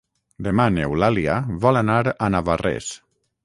Demà n'Eulàlia vol anar a Navarrés.